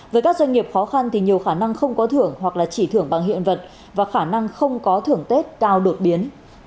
với các doanh nghiệp khó khăn thì nhiều khả năng không có thưởng hoặc là chỉ thưởng bằng hiện vật và khả năng không có thưởng tết cao đột biến